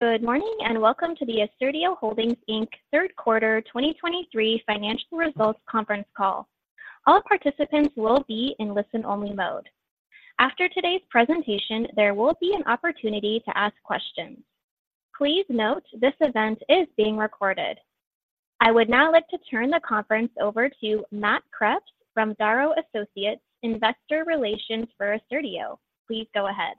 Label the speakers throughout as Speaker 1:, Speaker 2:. Speaker 1: Good morning, and welcome to the Assertio Holdings, Inc. Q3 2023 Financial Results Conference Call. All participants will be in listen-only mode. After today's presentation, there will be an opportunity to ask questions. Please note, this event is being recorded. I would now like to turn the conference over to Matt Kreps from Darrow Associates, Investor Relations for Assertio. Please go ahead.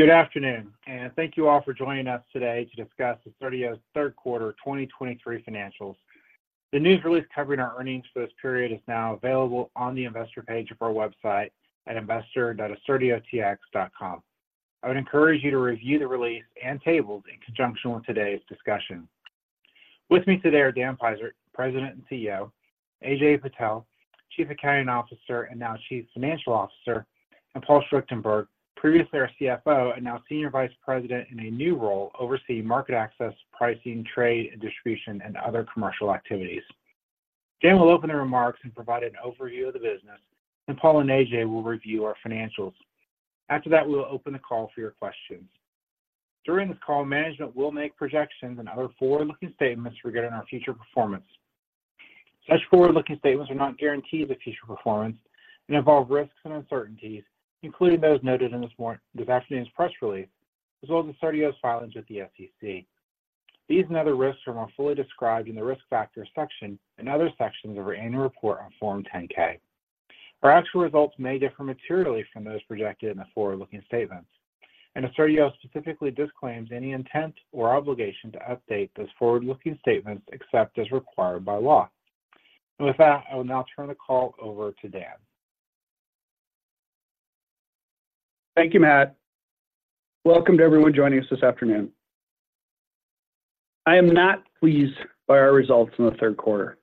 Speaker 2: Good afternoon, and thank you all for joining us today to discuss Assertio's Q3 2023 financials. The news release covering our earnings for this period is now available on the investor page of our website at investor.assertiotx.com. I would encourage you to review the release and tables in conjunction with today's discussion. With me today are Dan Peisert, President and CEO, Ajay Patel, Chief Accounting Officer, and now Chief Financial Officer, and Paul Schwichtenberg, previously our CFO and now Senior Vice President in a new role, overseeing market access, pricing, trade, and distribution, and other commercial activities. Dan will open the remarks and provide an overview of the business, and Paul and Ajay will review our financials. After that, we'll open the call for your questions. During this call, management will make projections and other forward-looking statements regarding our future performance. Such forward-looking statements are not guarantees of future performance and involve risks and uncertainties, including those noted in this afternoon's press release, as well as Assertio's filings with the SEC. These and other risks are more fully described in the Risk Factors section and other sections of our annual report on Form 10-K. Our actual results may differ materially from those projected in the forward-looking statements, and Assertio specifically disclaims any intent or obligation to update those forward-looking statements except as required by law. And with that, I will now turn the call over to Dan.
Speaker 3: Thank you, Matt. Welcome to everyone joining us this afternoon. I am not pleased by our results in the Q3.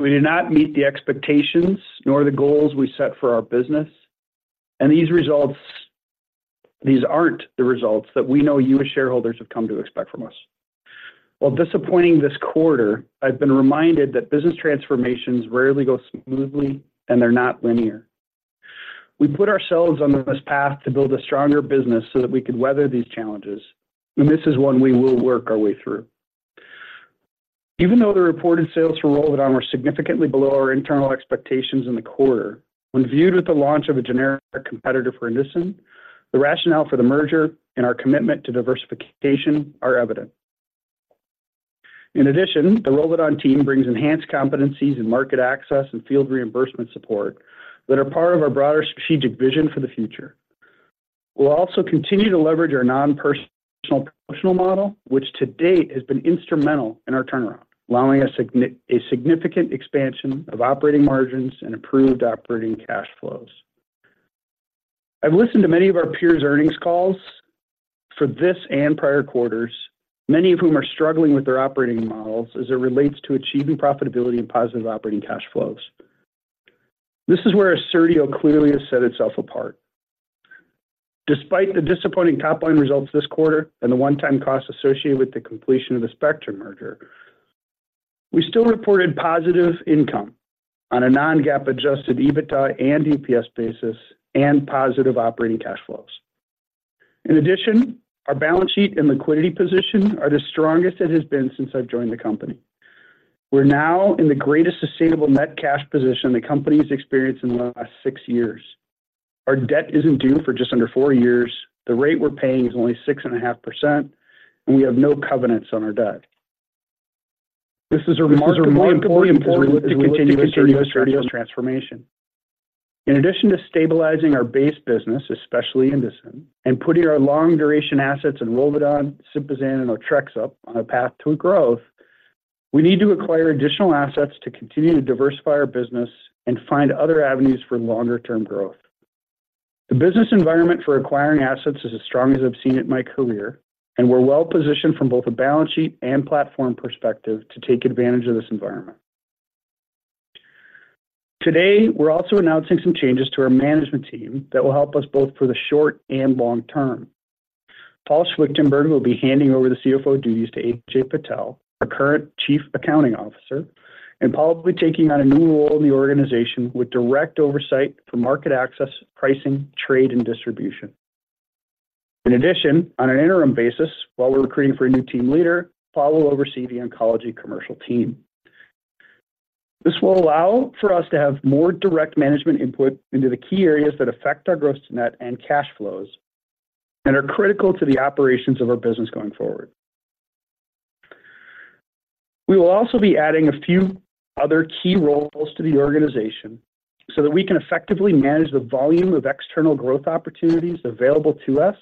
Speaker 3: We did not meet the expectations nor the goals we set for our business, and these results... These aren't the results that we know you as shareholders have come to expect from us. While disappointing this quarter, I've been reminded that business transformations rarely go smoothly, and they're not linear. We put ourselves on this path to build a stronger business so that we could weather these challenges, and this is one we will work our way through. Even though the reported sales for ROLVEDON are significantly below our internal expectations in the quarter, when viewed with the launch of a generic competitor for INDOCIN, the rationale for the merger and our commitment to diversification are evident. In addition, the ROLVEDON team brings enhanced competencies in market access and field reimbursement support that are part of our broader strategic vision for the future. We'll also continue to leverage our non-personal promotional model, which to date has been instrumental in our turnaround, allowing us a significant expansion of operating margins and improved operating cash flows. I've listened to many of our peers' earnings calls for this and prior quarters, many of whom are struggling with their operating models as it relates to achieving profitability and positive operating cash flows. This is where Assertio clearly has set itself apart. Despite the disappointing top-line results this quarter and the one-time costs associated with the completion of the Spectrum merger, we still reported positive income on a non-GAAP adjusted EBITDA and EPS basis and positive operating cash flows. In addition, our balance sheet and liquidity position are the strongest it has been since I've joined the company. We're now in the greatest sustainable net cash position the company has experienced in the last six years. Our debt isn't due for just under four years. The rate we're paying is only 6.5%, and we have no covenants on our debt. This is remarkably important as we continue Assertio's transformation. In addition to stabilizing our base business, especially INDOCIN, and putting our long-duration assets in ROLVEDON, SYMPAZAN, and OTREXUP on a path to growth, we need to acquire additional assets to continue to diversify our business and find other avenues for longer-term growth. The business environment for acquiring assets is as strong as I've seen it in my career, and we're well-positioned from both a balance sheet and platform perspective to take advantage of this environment. Today, we're also announcing some changes to our management team that will help us both for the short and long term. Paul Schwichtenberg will be handing over the CFO duties to Ajay Patel, our current Chief Accounting Officer, and Paul will be taking on a new role in the organization with direct oversight for market access, pricing, trade, and distribution. In addition, on an interim basis, while we're recruiting for a new team leader, Paul will oversee the oncology commercial team. This will allow for us to have more direct management input into the key areas that affect our gross net and cash flows and are critical to the operations of our business going forward. We will also be adding a few other key roles to the organization so that we can effectively manage the volume of external growth opportunities available to us,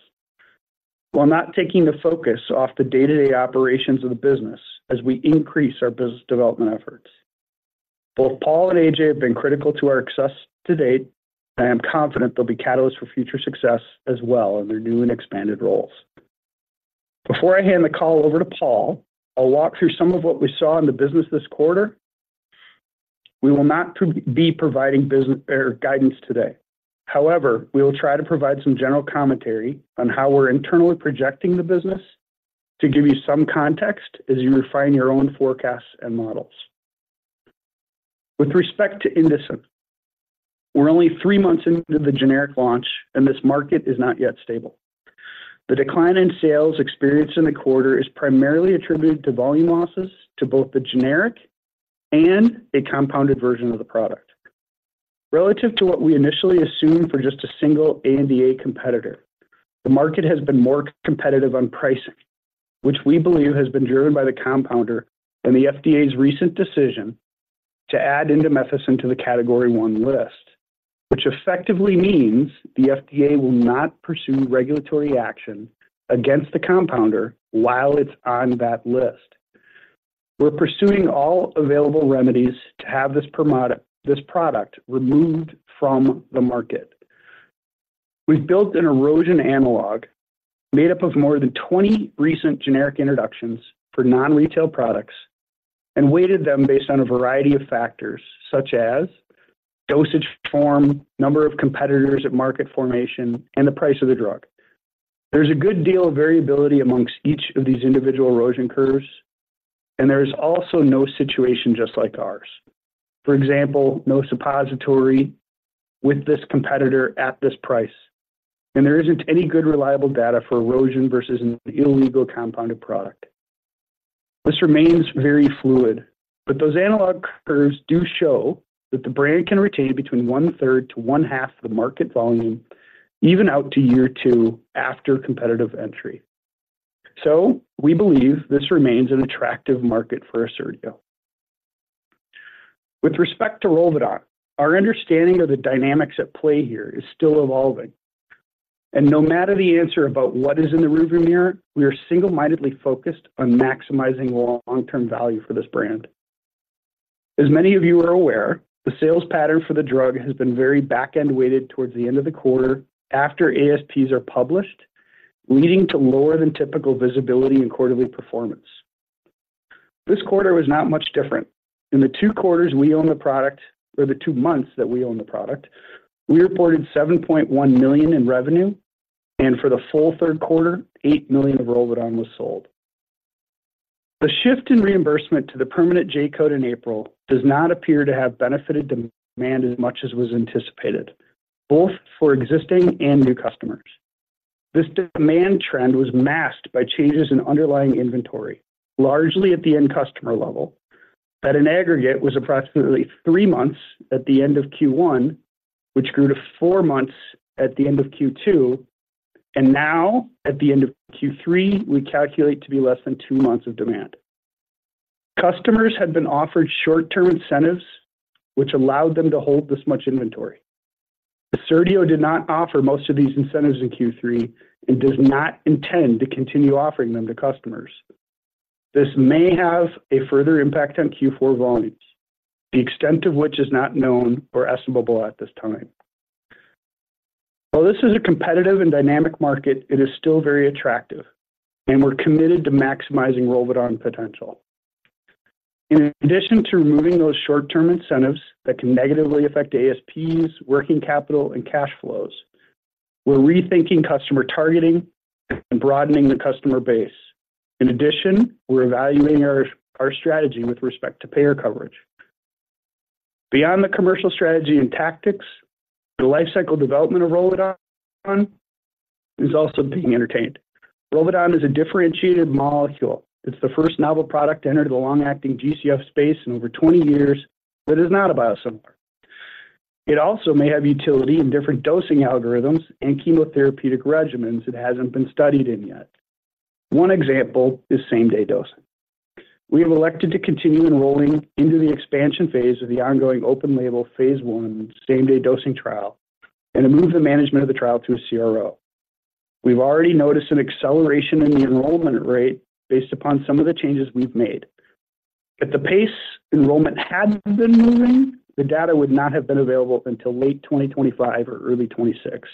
Speaker 3: while not taking the focus off the day-to-day operations of the business as we increase our business development efforts. Both Paul and Ajay have been critical to our success to date. I am confident they'll be catalysts for future success as well in their new and expanded roles. Before I hand the call over to Paul, I'll walk through some of what we saw in the business this quarter. We will not be providing business or guidance today. However, we will try to provide some general commentary on how we're internally projecting the business to give you some context as you refine your own forecasts and models.... With respect to INDOCIN, we're only three months into the generic launch, and this market is not yet stable. The decline in sales experienced in the quarter is primarily attributed to volume losses to both the generic and a compounded version of the product. Relative to what we initially assumed for just a single ANDA competitor, the market has been more competitive on pricing, which we believe has been driven by the compounder and the FDA's recent decision to add indomethacin to the Category One List, which effectively means the FDA will not pursue regulatory action against the compounder while it's on that list. We're pursuing all available remedies to have this product, this product removed from the market. We've built an erosion analog made up of more than 20 recent generic introductions for non-retail products and weighted them based on a variety of factors, such as dosage form, number of competitors at market formation, and the price of the drug. There's a good deal of variability among each of these individual erosion curves, and there is also no situation just like ours. For example, no suppository with this competitor at this price, and there isn't any good, reliable data for erosion versus an illegal compounded product. This remains very fluid, but those analog curves do show that the brand can retain between one third to one half of the market volume, even out to year two after competitive entry. So we believe this remains an attractive market for Assertio. With respect to ROLVEDON, our understanding of the dynamics at play here is still evolving, and no matter the answer about what is in the rearview mirror, we are single-mindedly focused on maximizing long-term value for this brand. As many of you are aware, the sales pattern for the drug has been very back-end-weighted towards the end of the quarter after ASPs are published, leading to lower than typical visibility and quarterly performance. This quarter was not much different. In the two quarters we own the product, or the two months that we own the product, we reported $7.1 million in revenue, and for the full Q3, $8 million of ROLVEDON was sold. The shift in reimbursement to the permanent J-code in April does not appear to have benefited demand as much as was anticipated, both for existing and new customers. This demand trend was masked by changes in underlying inventory, largely at the end customer level, that in aggregate, was approximately three months at the end of Q1, which grew to four months at the end of Q2, and now at the end of Q3, we calculate to be less than two months of demand. Customers had been offered short-term incentives, which allowed them to hold this much inventory. Assertio did not offer most of these incentives in Q3 and does not intend to continue offering them to customers. This may have a further impact on Q4 volumes, the extent of which is not known or estimable at this time. While this is a competitive and dynamic market, it is still very attractive, and we're committed to maximizing ROLVEDON potential. In addition to removing those short-term incentives that can negatively affect ASPs, working capital, and cash flows, we're rethinking customer targeting and broadening the customer base. In addition, we're evaluating our strategy with respect to payer coverage. Beyond the commercial strategy and tactics, the life cycle development of ROLVEDON is also being entertained. ROLVEDON is a differentiated molecule. It's the first novel product to enter the long-acting G-CSF space in over 20 years, but is not a biosimilar. It also may have utility in different dosing algorithms and chemotherapeutic regimens it hasn't been studied in yet. One example is same-day dosing. We have elected to continue enrolling into the expansion phase of the ongoing open label phase I same-day dosing trial, and to move the management of the trial to a CRO. We've already noticed an acceleration in the enrollment rate based upon some of the changes we've made. At the pace enrollment had been moving, the data would not have been available until late 2025 or early 2026.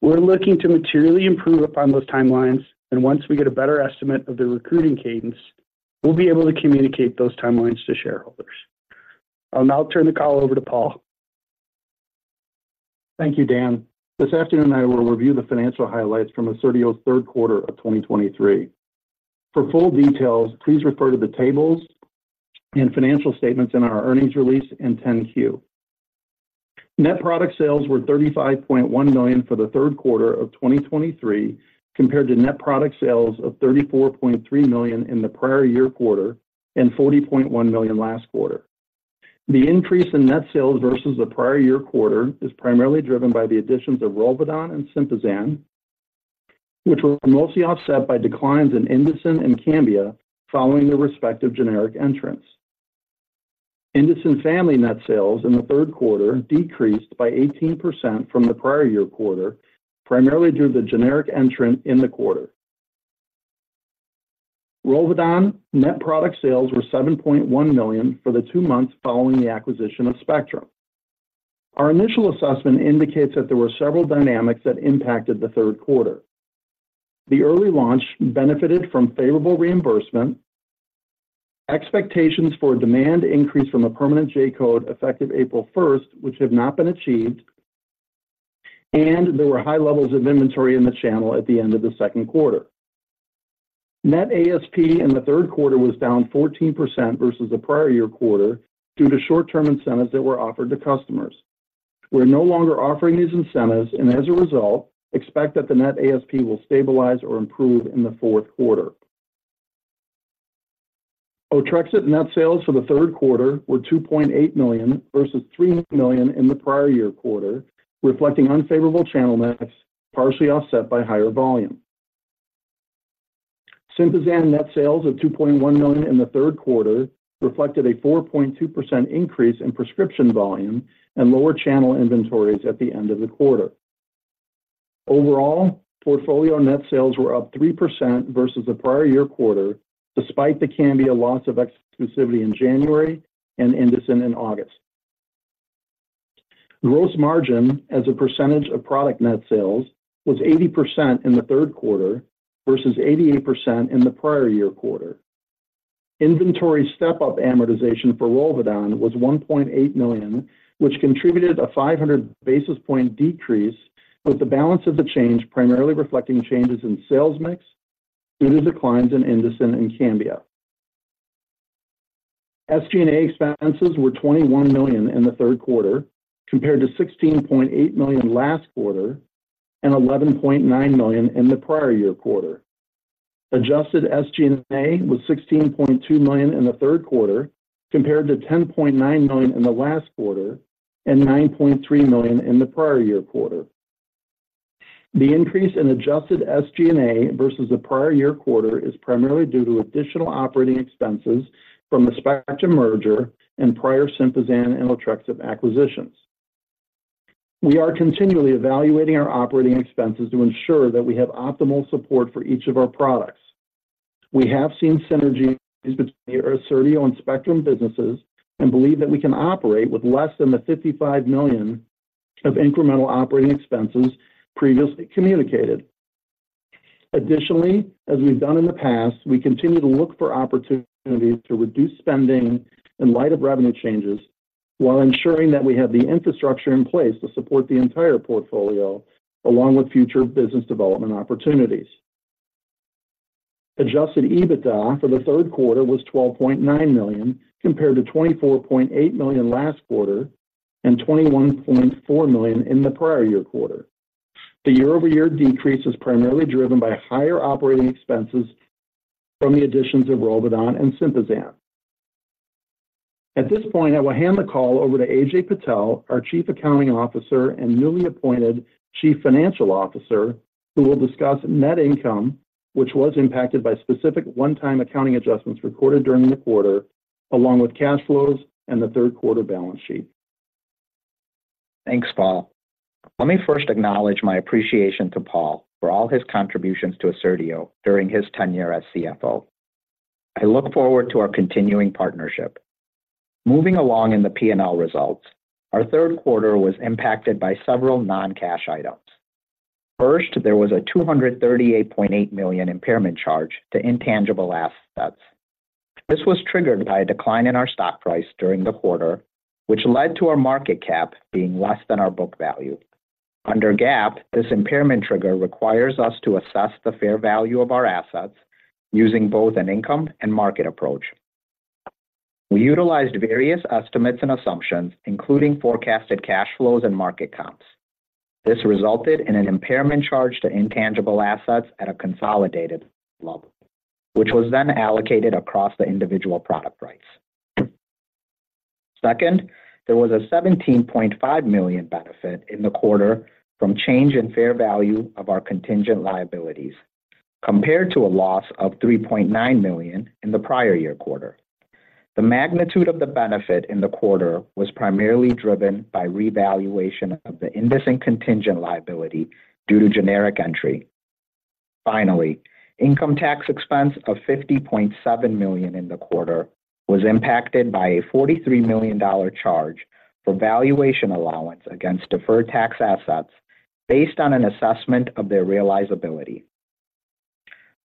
Speaker 3: We're looking to materially improve upon those timelines, and once we get a better estimate of the recruiting cadence, we'll be able to communicate those timelines to shareholders. I'll now turn the call over to Paul.
Speaker 4: Thank you, Dan. This afternoon, I will review the financial highlights from Assertio's Q3 of 2023. For full details, please refer to the tables and financial statements in our earnings release and 10-Q. Net product sales were $35.1 million for the Q3 of 2023, compared to net product sales of $34.3 million in the prior year quarter and $40.1 million last quarter. The increase in net sales versus the prior year quarter is primarily driven by the additions of ROLVEDON and SYMPAZAN, which were mostly offset by declines in INDOCIN and CAMBIA following the respective generic entrants. INDOCIN family net sales in the Q3 decreased by 18% from the prior year quarter, primarily due to the generic entrant in the quarter. ROLVEDON net product sales were $7.1 million for the two months following the acquisition of Spectrum. Our initial assessment indicates that there were several dynamics that impacted the Q3. The early launch benefited from favorable reimbursement. Expectations for demand increased from a permanent J-code effective April first, which have not been achieved... and there were high levels of inventory in the channel at the end of the Q2. Net ASP in the Q3 was down 14% versus the prior year quarter due to short-term incentives that were offered to customers. We're no longer offering these incentives, and as a result, expect that the net ASP will stabilize or improve in the Q4. OTREXUP net sales for the Q3 were $2.8 million versus $3 million in the prior year quarter, reflecting unfavorable channel mix, partially offset by higher volume. SYMPAZAN net sales of $2.1 million in the Q3 reflected a 4.2% increase in prescription volume and lower channel inventories at the end of the quarter. Overall, portfolio net sales were up 3% versus the prior year quarter, despite the CAMBIA loss of exclusivity in January and INDOCIN in August. Gross margin as a percentage of product net sales was 80% in the Q3 versus 88% in the prior year quarter. Inventory step-up amortization for ROLVEDON was $1.8 million, which contributed a 500 basis point decrease, with the balance of the change primarily reflecting changes in sales mix due to declines in INDOCIN and CAMBIA. SG&A expenses were $21 million in the Q3, compared to $16.8 million last quarter and $11.9 million in the prior year quarter. Adjusted SG&A was $16.2 million in the Q3, compared to $10.9 million in the last quarter and $9.3 million in the prior year quarter. The increase in adjusted SG&A versus the prior year quarter is primarily due to additional operating expenses from the Spectrum merger and prior SYMPAZAN and OTREXUP acquisitions. We are continually evaluating our operating expenses to ensure that we have optimal support for each of our products. We have seen synergies between the Assertio and Spectrum businesses and believe that we can operate with less than the $55 million of incremental operating expenses previously communicated. Additionally, as we've done in the past, we continue to look for opportunities to reduce spending in light of revenue changes, while ensuring that we have the infrastructure in place to support the entire portfolio, along with future business development opportunities. Adjusted EBITDA for the Q3 was $12.9 million, compared to $24.8 million last quarter and $21.4 million in the prior year quarter. The year-over-year decrease was primarily driven by higher operating expenses from the additions of ROLVEDON and SYMPAZAN. At this point, I will hand the call over to Ajay Patel, our Chief Accounting Officer and newly appointed Chief Financial Officer, who will discuss net income, which was impacted by specific one-time accounting adjustments recorded during the quarter, along with cash flows and the Q3 balance sheet.
Speaker 5: Thanks, Paul. Let me first acknowledge my appreciation to Paul for all his contributions to Assertio during his tenure as CFO. I look forward to our continuing partnership. Moving along in the P&L results, our Q3 was impacted by several non-cash items. First, there was a $238.8 million impairment charge to intangible assets. This was triggered by a decline in our stock price during the quarter, which led to our market cap being less than our book value. Under GAAP, this impairment trigger requires us to assess the fair value of our assets using both an income and market approach. We utilized various estimates and assumptions, including forecasted cash flows and market comps. This resulted in an impairment charge to intangible assets at a consolidated level, which was then allocated across the individual product price. Second, there was a $17.5 million benefit in the quarter from change in fair value of our contingent liabilities, compared to a loss of $3.9 million in the prior year quarter. The magnitude of the benefit in the quarter was primarily driven by revaluation of the INDOCIN contingent liability due to generic entry. Finally, income tax expense of $50.7 million in the quarter was impacted by a $43 million charge for valuation allowance against deferred tax assets based on an assessment of their realizability.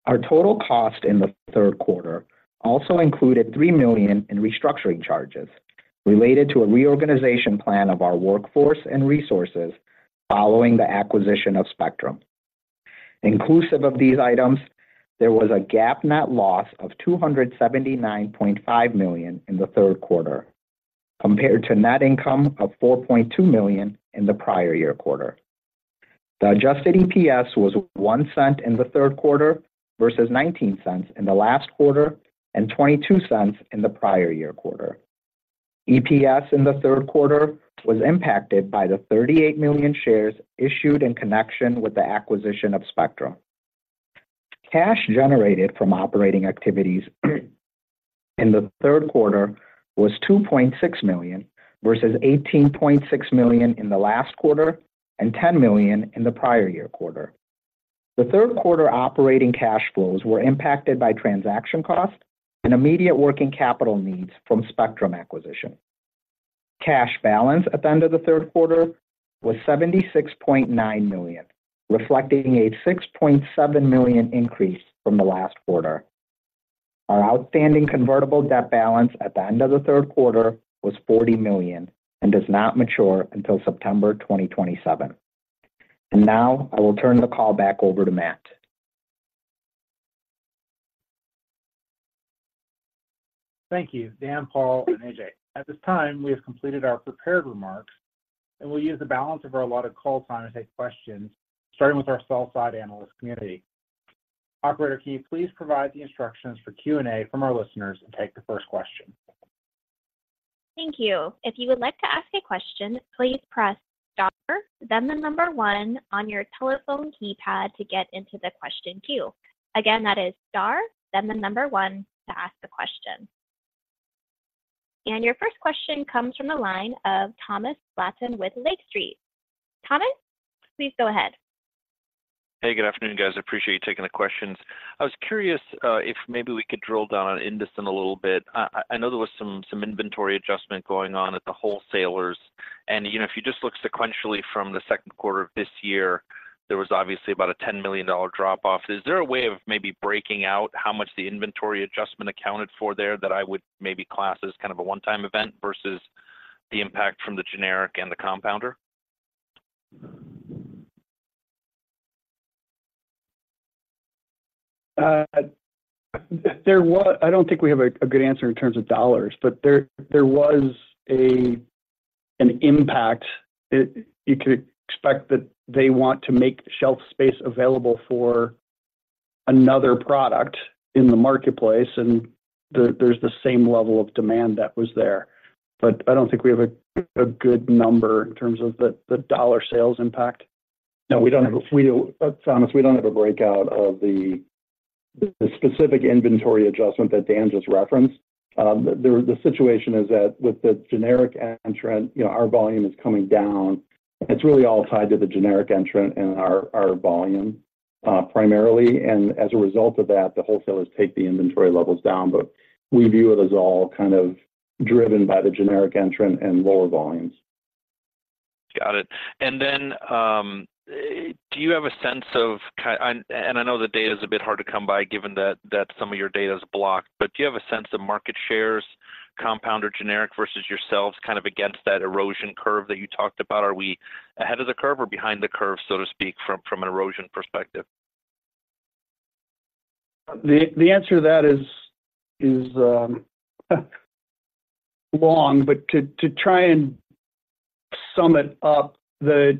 Speaker 5: Our total cost in the Q3 also included $3 million in restructuring charges related to a reorganization plan of our workforce and resources following the acquisition of Spectrum. Inclusive of these items, there was a GAAP net loss of $279.5 million in the Q3, compared to net income of $4.2 million in the prior year quarter. The adjusted EPS was $0.01 in the Q3 versus $0.19 in the last quarter and $0.22 in the prior year quarter. EPS in the Q3 was impacted by the 38 million shares issued in connection with the acquisition of Spectrum. Cash generated from operating activities in the Q3 was $2.6 million, versus $18.6 million in the last quarter and $10 million in the prior year quarter. The Q3 operating cash flows were impacted by transaction costs and immediate working capital needs from Spectrum acquisition. Cash balance at the end of the Q3 was $76.9 million, reflecting a $6.7 million increase from the last quarter.... Our outstanding convertible debt balance at the end of the Q3 was $40 million and does not mature until September 2027. Now I will turn the call back over to Matt.
Speaker 2: Thank you, Dan, Paul, and Ajay. At this time, we have completed our prepared remarks, and we'll use the balance of our allotted call time to take questions, starting with our sell-side analyst community. Operator, can you please provide the instructions for Q&A from our listeners and take the first question?
Speaker 1: Thank you. If you would like to ask a question, please press star, then one on your telephone keypad to get into the question queue. Again, that is star, then one to ask the question. And your first question comes from the line of Thomas Flaten with Lake Street. Thomas, please go ahead.
Speaker 6: Hey, good afternoon, guys. I appreciate you taking the questions. I was curious if maybe we could drill down on INDOCIN a little bit. I know there was some inventory adjustment going on at the wholesalers, and, you know, if you just look sequentially from the Q2 of this year, there was obviously about a $10 million drop-off. Is there a way of maybe breaking out how much the inventory adjustment accounted for there that I would maybe class as kind of a one-time event versus the impact from the generic and the compounder?
Speaker 3: There was an impact. I don't think we have a good answer in terms of dollars, but you could expect that they want to make shelf space available for another product in the marketplace, and there's the same level of demand that was there. But I don't think we have a good number in terms of the dollar sales impact.
Speaker 4: No, we don't have, Thomas, we don't have a breakout of the, the specific inventory adjustment that Dan just referenced. The, the situation is that with the generic entrant, you know, our volume is coming down. It's really all tied to the generic entrant and our, our volume, primarily, and as a result of that, the wholesalers take the inventory levels down, but we view it as all kind of driven by the generic entrant and lower volumes.
Speaker 6: Got it. And then, do you have a sense of and I know the data is a bit hard to come by, given that some of your data is blocked, but do you have a sense of market shares, compounder, generic, versus yourselves, kind of against that erosion curve that you talked about? Are we ahead of the curve or behind the curve, so to speak, from an erosion perspective?
Speaker 3: The answer to that is long, but to try and sum it up, the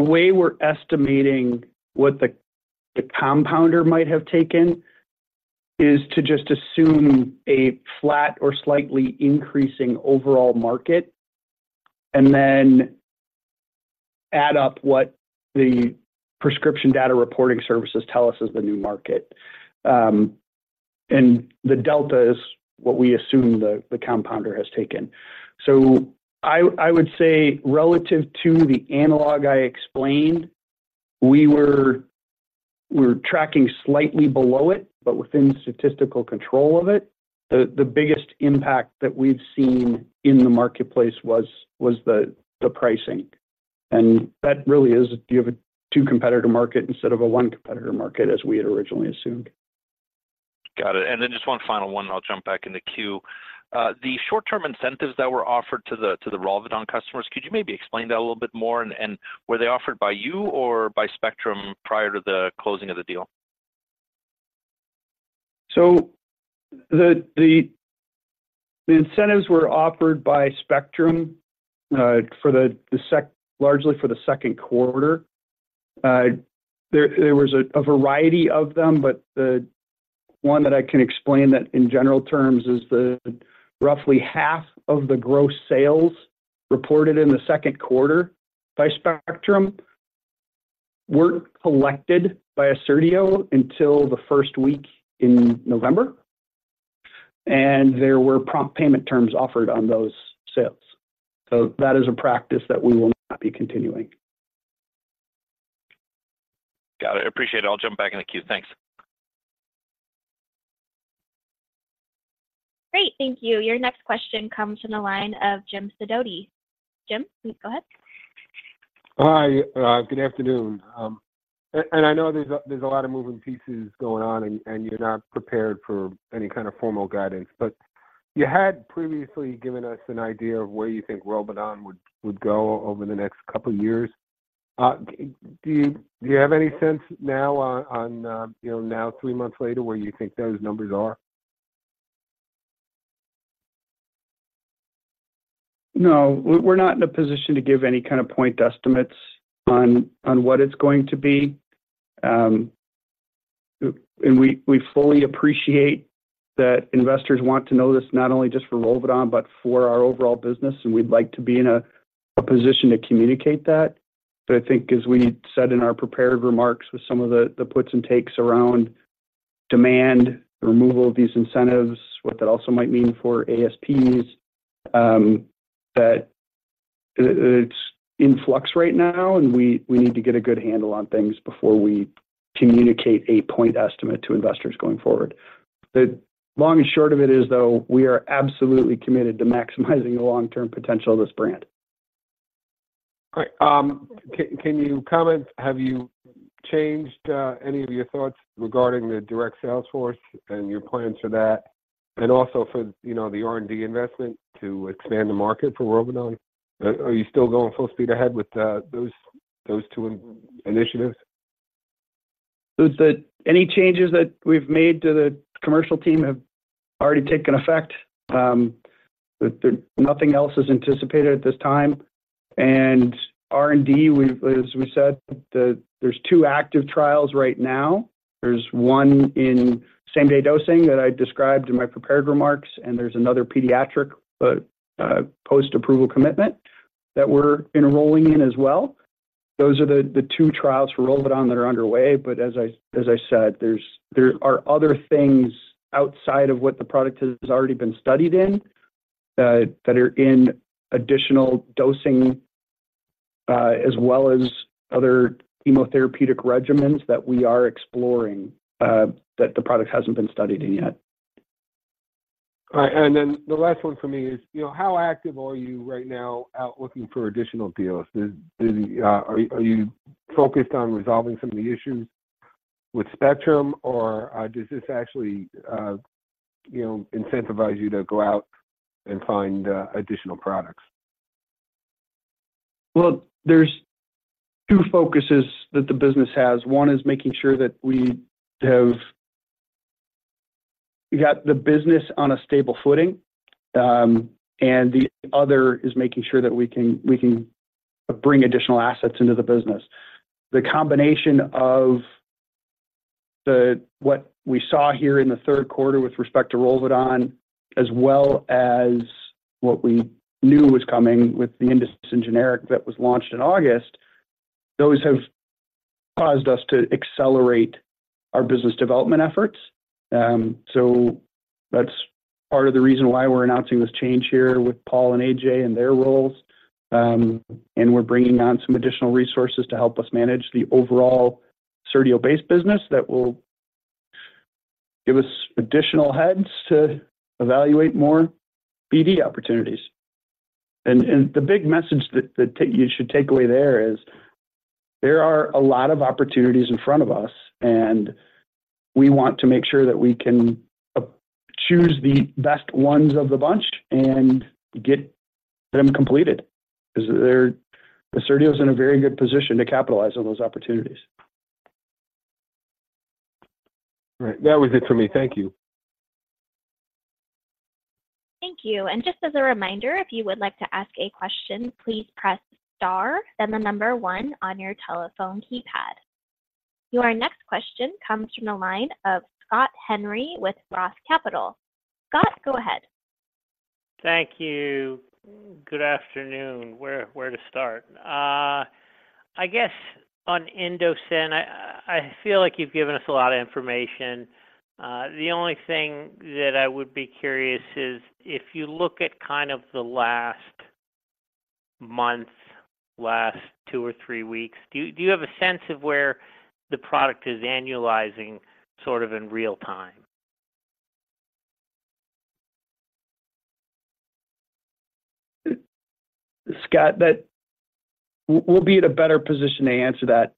Speaker 3: way we're estimating what the compounder might have taken is to just assume a flat or slightly increasing overall market and then add up what the prescription data reporting services tell us is the new market. And the delta is what we assume the compounder has taken. So I would say relative to the analog I explained, we're tracking slightly below it, but within statistical control of it. The biggest impact that we've seen in the marketplace was the pricing, and that really is you have a two-competitor market instead of a one-competitor market, as we had originally assumed.
Speaker 6: Got it, and then just one final one, and I'll jump back in the queue. The short-term incentives that were offered to the ROLVEDON customers, could you maybe explain that a little bit more? And were they offered by you or by Spectrum prior to the closing of the deal?
Speaker 3: So the incentives were offered by Spectrum largely for the Q2. There was a variety of them, but the one that I can explain in general terms is the roughly half of the gross sales reported in the Q2 by Spectrum weren't collected by Assertio until the first week in November, and there were prompt payment terms offered on those sales. So that is a practice that we will not be continuing.
Speaker 6: Got it. Appreciate it. I'll jump back in the queue. Thanks.
Speaker 1: Great, thank you. Your next question comes from the line of Jim Sidoti. Jim, please go ahead.
Speaker 7: Hi, good afternoon. I know there's a lot of moving pieces going on, and you're not prepared for any kind of formal guidance, but you had previously given us an idea of where you think ROLVEDON would go over the next couple of years. Do you have any sense now on, you know, now, three months later, where you think those numbers are?
Speaker 3: No, we're, we're not in a position to give any kind of point estimates on, on what it's going to be. And we, we fully appreciate that investors want to know this not only just for ROLVEDON, but for our overall business, and we'd like to be in a, a position to communicate that. But I think as we said in our prepared remarks, with some of the, the puts and takes around demand, the removal of these incentives, what that also might mean for ASPs, that it's in flux right now, and we, we need to get a good handle on things before we communicate a point estimate to investors going forward. The long and short of it is, though, we are absolutely committed to maximizing the long-term potential of this brand....
Speaker 7: Great. Can you comment, have you changed any of your thoughts regarding the direct sales force and your plans for that? And also for, you know, the R&D investment to expand the market for ROLVEDON? Are you still going full speed ahead with those two initiatives?
Speaker 3: So, any changes that we've made to the commercial team have already taken effect. Nothing else is anticipated at this time. And R&D, we've, as we said, there's two active trials right now. There's one in same-day dosing that I described in my prepared remarks, and there's another pediatric post-approval commitment that we're enrolling in as well. Those are the two trials for ROLVEDON that are underway. But as I said, there are other things outside of what the product has already been studied in that are in additional dosing as well as other chemotherapeutic regimens that we are exploring that the product hasn't been studied in yet.
Speaker 7: All right. And then the last one for me is, you know, how active are you right now out looking for additional deals? Are you focused on resolving some of the issues with Spectrum, or does this actually, you know, incentivize you to go out and find additional products?
Speaker 3: Well, there's two focuses that the business has. One is making sure that we have got the business on a stable footing, and the other is making sure that we can, we can bring additional assets into the business. The combination of the, what we saw here in the Q3 with respect to ROLVEDON, as well as what we knew was coming with the INDOCIN generic that was launched in August, those have caused us to accelerate our business development efforts. So that's part of the reason why we're announcing this change here with Paul and Ajay and their roles. And we're bringing on some additional resources to help us manage the overall Spectrum-based business, that will give us additional heads to evaluate more BD opportunities. The big message that you should take away there is, there are a lot of opportunities in front of us, and we want to make sure that we can choose the best ones of the bunch and get them completed, 'cause they're the Assertio is in a very good position to capitalize on those opportunities.
Speaker 7: All right. That was it for me. Thank you.
Speaker 1: Thank you, and just as a reminder, if you would like to ask a question, please press Star, then the number one on your telephone keypad. Your next question comes from the line of Scott Henry with Roth Capital. Scott, go ahead.
Speaker 8: Thank you. Good afternoon. Where to start? I guess on INDOCIN, I feel like you've given us a lot of information. The only thing that I would be curious is, if you look at kind of the last month, last two or three weeks, do you have a sense of where the product is annualizing, sort of in real time?
Speaker 3: Scott, that we'll be in a better position to answer that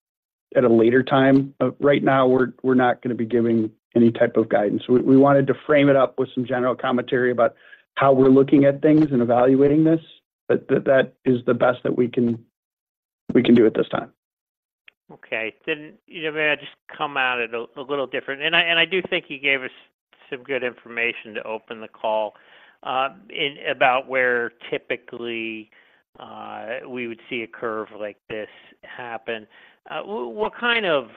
Speaker 3: at a later time. Right now, we're not going to be giving any type of guidance. We wanted to frame it up with some general commentary about how we're looking at things and evaluating this, but that is the best that we can do at this time.
Speaker 8: Okay. Then, you know, may I just come at it a little different? And I do think you gave us some good information to open the call, in about where typically we would see a curve like this happen. What kind of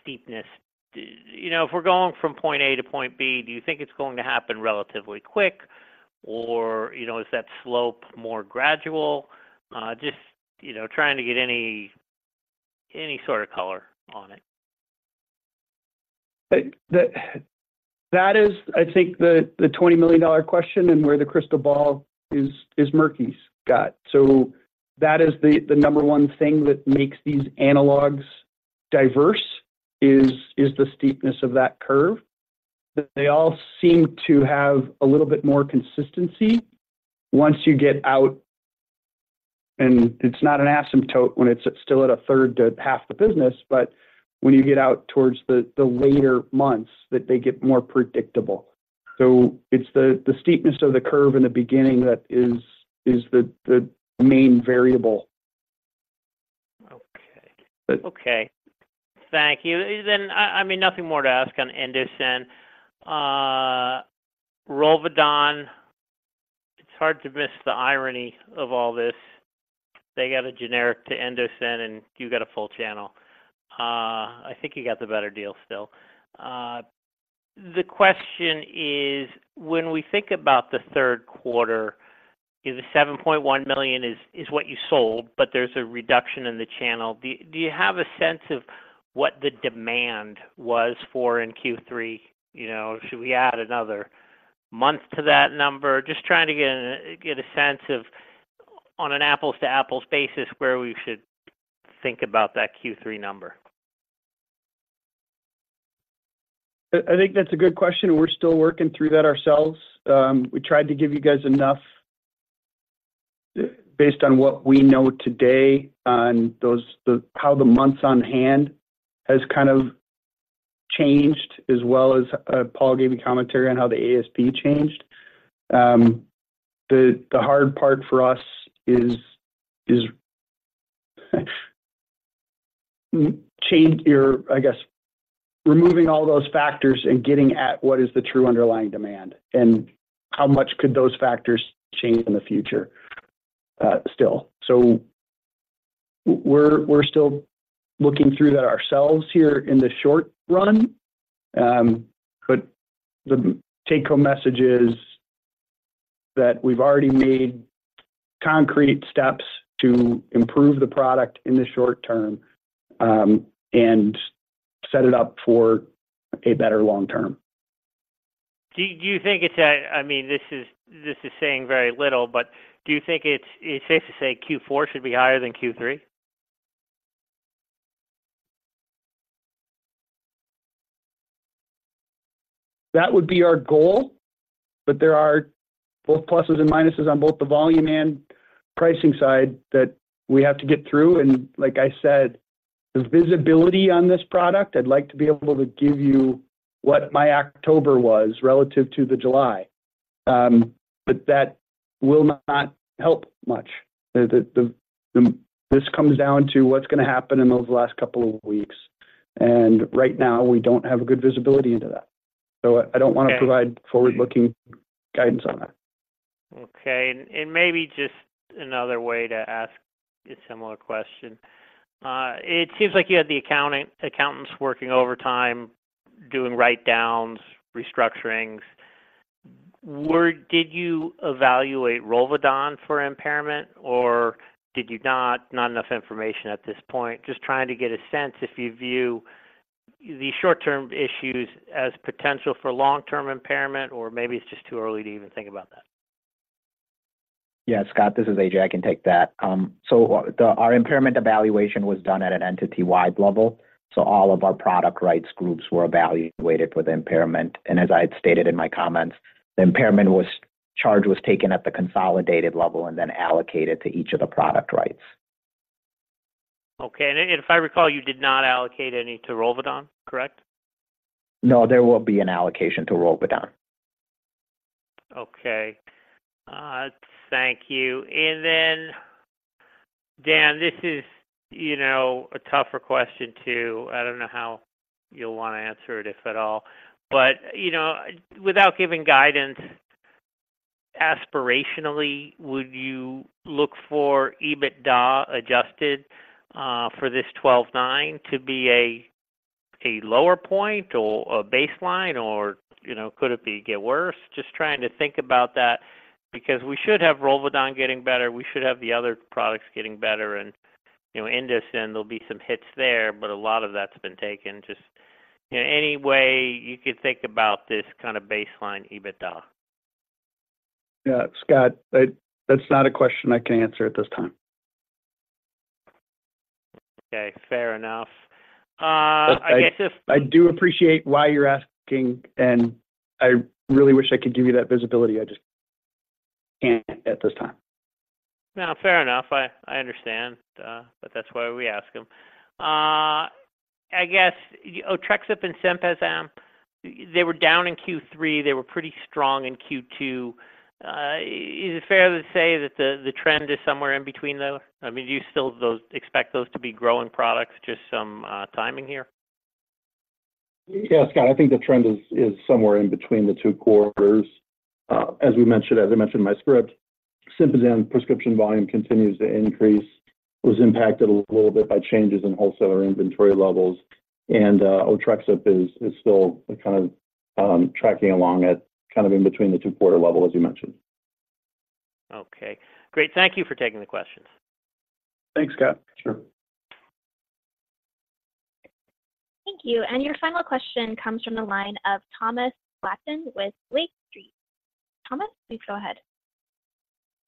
Speaker 8: steepness, do you know, if we're going from point A to point B, do you think it's going to happen relatively quick, or, you know, is that slope more gradual? Just, you know, trying to get any sort of color on it.
Speaker 3: That is, I think, the $20 million question and where the crystal ball is murky, Scott. So that is the number one thing that makes these analogs diverse, is the steepness of that curve. That they all seem to have a little bit more consistency once you get out, and it's not an asymptote when it's still at a third to half the business, but when you get out towards the later months, that they get more predictable. So it's the steepness of the curve in the beginning that is the main variable.
Speaker 8: Okay.
Speaker 3: But-
Speaker 8: Okay. Thank you. Then, I mean, nothing more to ask on INDOCIN. ROLVEDON, it's hard to miss the irony of all this. They got a generic to INDOCIN, and you got a full channel. I think you got the better deal still. The question is: when we think about the Q3, the $7.1 million is what you sold, but there's a reduction in the channel. Do you have a sense of what the demand was for in Q3? You know, should we add another month to that number? Just trying to get a sense of, on an apples-to-apples basis, where we should think about that Q3 number....
Speaker 3: I think that's a good question, and we're still working through that ourselves. We tried to give you guys enough based on what we know today on those, how the months on hand has kind of changed, as well as, Paul gave you commentary on how the ASP changed. The hard part for us is, I guess, removing all those factors and getting at what is the true underlying demand, and how much could those factors change in the future, still? So we're still looking through that ourselves here in the short run. But the take home message is that we've already made concrete steps to improve the product in the short term, and set it up for a better long term.
Speaker 8: Do you think it's, I mean, this is saying very little, but do you think it's safe to say Q4 should be higher than Q3?
Speaker 3: That would be our goal, but there are both pluses and minuses on both the volume and pricing side that we have to get through. And like I said, the visibility on this product, I'd like to be able to give you what my October was relative to the July. But that will not help much. This comes down to what's going to happen in those last couple of weeks, and right now, we don't have a good visibility into that.
Speaker 8: Okay.
Speaker 3: I don't want to provide forward-looking guidance on that.
Speaker 8: Okay. And maybe just another way to ask a similar question. It seems like you had the accounting accountants working overtime, doing write-downs, restructurings. Did you evaluate ROLVEDON for impairment, or did you not? Not enough information at this point. Just trying to get a sense if you view the short-term issues as potential for long-term impairment, or maybe it's just too early to even think about that.
Speaker 5: Yeah, Scott, this is Ajay. I can take that. So our impairment evaluation was done at an entity-wide level, so all of our product rights groups were evaluated for the impairment. And as I had stated in my comments, the impairment charge was taken at the consolidated level and then allocated to each of the product rights.
Speaker 8: Okay. And if I recall, you did not allocate any to ROLVEDON, correct?
Speaker 5: No, there will be an allocation to ROLVEDON.
Speaker 8: Okay. Thank you. And then, Dan, this is, you know, a tougher question, too. I don't know how you'll want to answer it, if at all. But, you know, without giving guidance, aspirationally, would you look for EBITDA adjusted, for this 12-9 to be a lower point or a baseline, or, you know, could it get worse? Just trying to think about that, because we should have ROLVEDON getting better, we should have the other products getting better and, you know, INDOCIN, there'll be some hits there, but a lot of that's been taken. Just any way you could think about this kind of baseline EBITDA?
Speaker 3: Yeah, Scott, that's not a question I can answer at this time.
Speaker 8: Okay, fair enough. I guess if-
Speaker 3: I do appreciate why you're asking, and I really wish I could give you that visibility. I just can't at this time.
Speaker 8: No, fair enough. I, I understand, but that's why we ask them. I guess, OTREXUP and SYMPAZAN, they were down in Q3, they were pretty strong in Q2. Is it fair to say that the, the trend is somewhere in between, though? I mean, do you still expect those to be growing products, just some timing here?
Speaker 3: Yeah, Scott, I think the trend is, is somewhere in between the two quarters. As we mentioned, as I mentioned in my script, SYMPAZAN prescription volume continues to increase. It was impacted a little bit by changes in wholesaler inventory levels, and, OTREXUP is, is still kind of, tracking along at kind of in between the two-quarter level, as you mentioned.
Speaker 8: Okay. Great. Thank you for taking the questions.
Speaker 3: Thanks, Scott. Sure.
Speaker 1: Thank you. Your final question comes from the line of Thomas Flaten with Lake Street. Thomas, please go ahead.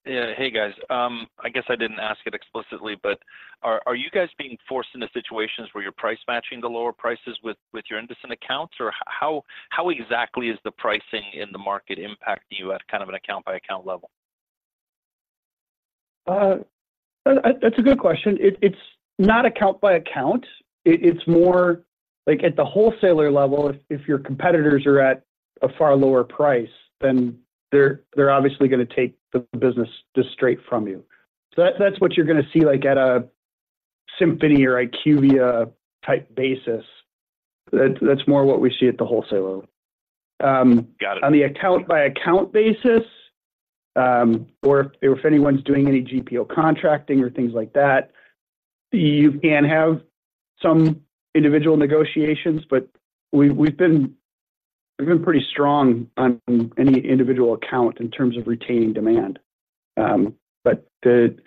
Speaker 6: Yeah. Hey, guys. I guess I didn't ask it explicitly, but are you guys being forced into situations where you're price matching the lower prices with your INDOCIN accounts? Or how exactly is the pricing in the market impacting you at kind of an account-by-account level?
Speaker 3: That's a good question. It's not account by account. It's more like at the wholesaler level, if your competitors are at a far lower price, then they're obviously gonna take the business just straight from you. So that's what you're gonna see, like, at a Symphony or IQVIA type basis. That's more what we see at the wholesaler level.
Speaker 6: Got it.
Speaker 3: On the account-by-account basis, or if anyone's doing any GPO contracting or things like that, you can have some individual negotiations, but we, we've been pretty strong on any individual account in terms of retaining demand. But that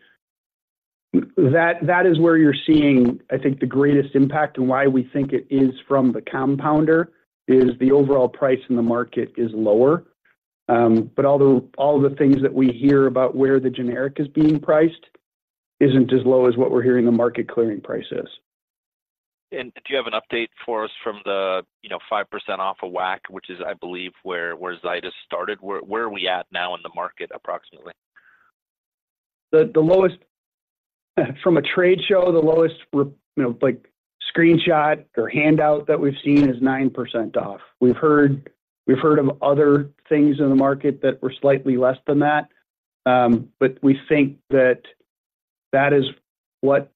Speaker 3: is where you're seeing, I think, the greatest impact and why we think it is from the compounder, is the overall price in the market is lower. But although all the things that we hear about where the generic is being priced isn't as low as what we're hearing the market clearing price is.
Speaker 6: Do you have an update for us from the, you know, 5% off of WAC, which is, I believe, where Zydus started? Where are we at now in the market, approximately?
Speaker 3: The lowest from a trade show, the lowest we're, you know, like, screenshot or handout that we've seen is 9% off. We've heard of other things in the market that were slightly less than that, but we think that that is what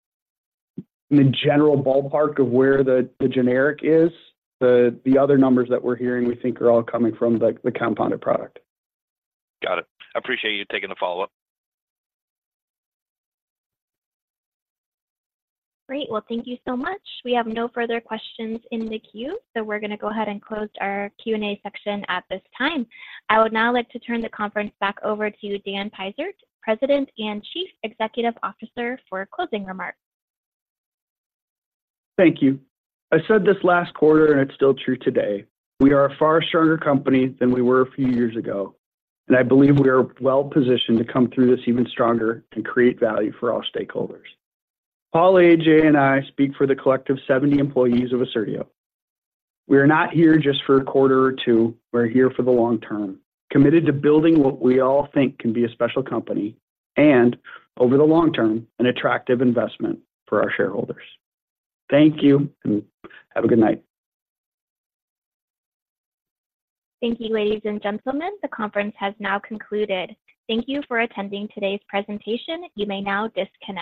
Speaker 3: the general ballpark of where the generic is. The other numbers that we're hearing, we think are all coming from the compounded product.
Speaker 6: Got it. I appreciate you taking the follow-up.
Speaker 1: Great. Well, thank you so much. We have no further questions in the queue, so we're going to go ahead and close our Q&A section at this time. I would now like to turn the conference back over to Dan Peisert, President and Chief Executive Officer, for closing remarks.
Speaker 3: Thank you. I said this last quarter, and it's still true today: we are a far stronger company than we were a few years ago, and I believe we are well positioned to come through this even stronger and create value for all stakeholders. Paul, Ajay, and I speak for the collective 70 employees of Assertio. We are not here just for a quarter or two, we're here for the long term, committed to building what we all think can be a special company, and over the long term, an attractive investment for our shareholders. Thank you, and have a good night.
Speaker 1: Thank you, ladies and gentlemen, the conference has now concluded. Thank you for attending today's presentation. You may now disconnect.